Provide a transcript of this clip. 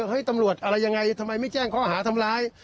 เฮ้ยตำรวจอะไรยังไงทำไมไม่แจ้งข้อหาทำร้าย